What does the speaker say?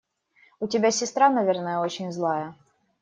У тебя сестра, наверное, очень злая?